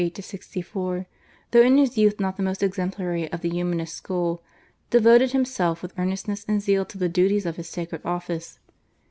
(1458 64), though in his youth not the most exemplary of the Humanist school, devoted himself with earnestness and zeal to the duties of his sacred office.